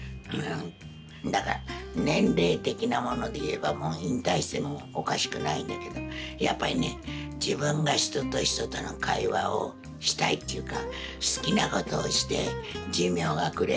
だから年齢的なものでいえばもう引退してもおかしくないんだけどやっぱりね自分が人と人との会話をしたいっていうか好きなことをして寿命がくれば逝きます。